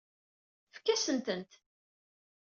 Fkan-as-tent.